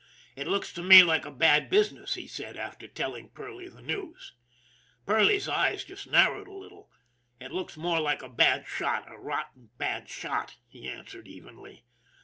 " It looks to me like a bad busi ness," he said, after telling Perley the news. Perley's eyes just narrowed a little. " It looks more like a bad shot, a rotten bad shot," he answered evenly.